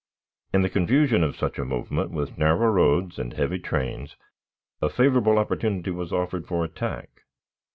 In the confusion of such a movement, with narrow roads and heavy trains, a favorable opportunity was offered for attack.